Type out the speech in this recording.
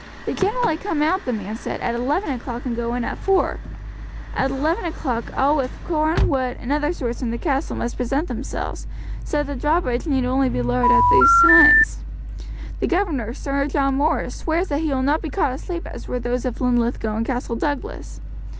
"They generally come out," the man said, "at eleven o'clock and go in at four; at eleven o'clock all with corn, wood, and other stores for the castle must present themselves, so that the drawbridge need only be lowered at those times. The governor, Sir John Morris, swears that he will not be caught asleep as were those of Linlithgow and Castle Douglas.